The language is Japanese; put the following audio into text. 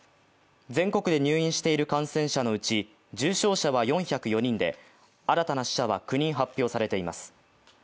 全国で入院している感染者のうち、重症者は４０４人で、新たな死者は９人発表されています。